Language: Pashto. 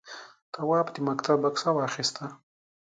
تواب د مکتب بکسه واخیسته.